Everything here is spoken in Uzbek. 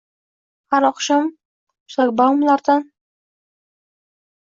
Har oqshom shlagbaumlardan